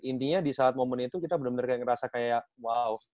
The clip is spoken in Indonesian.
intinya di saat momen itu kita bener bener kayak ngerasa kayak wow